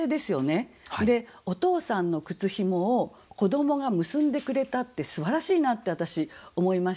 お父さんの靴紐を子どもが結んでくれたってすばらしいなって私思いました。